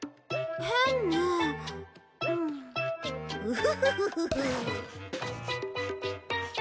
ウフフフフフ。